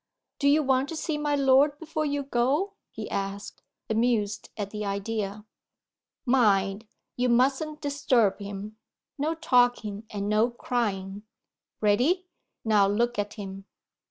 "Do you want to see my lord before you go?" he asked, amused at the idea. "Mind! you mustn't disturb him! No talking, and no crying. Ready? Now look at him."